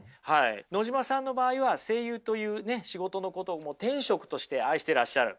野島さんの場合は声優というね仕事のことを天職として愛していらっしゃる。